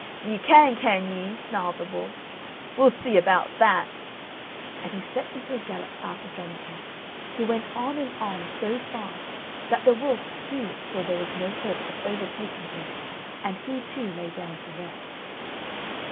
"Ye can, can ye?" snarled the wolf, "we'll see about that!" And he set into a gallop after Johnny cake, who went on and on so fast that the wolf too saw there was no hope of overtaking him, and he too lay down to rest.